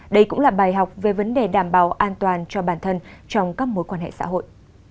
đây cũng là bài học về vấn đề đảm bảo an toàn cho bản thân trong các mối quan hệ xã hội